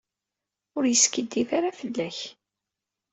Ur yeskiddib ara fell-ak.